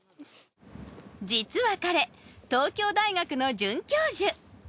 実は彼東京大学の准教授！